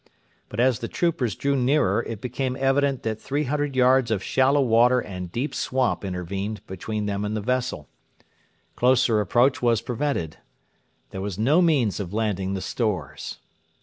But as the troopers drew nearer it became evident that 300 yards of shallow water and deep swamp intervened between them and the vessel. Closer approach was prevented. There was no means of landing the stores.